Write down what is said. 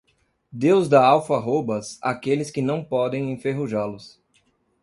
Deus dá alfarrobas àqueles que não podem enferrujá-los.